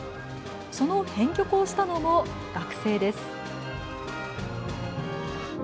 その編曲をしたのも学生です。